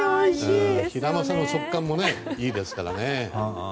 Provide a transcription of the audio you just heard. ヒラマサの食感もいいですからね。